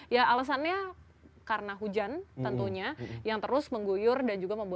ya alasannya karena hujan tentunya yang terus mengguyur dan juga membuat